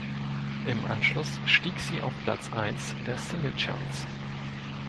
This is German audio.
Im Anschluss stieg sie auf Platz eins der Singlecharts.